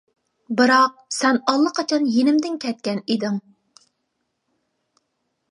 بىراق، سەن ئاللىقاچان يېنىمدىن كەتكەن ئىدىڭ.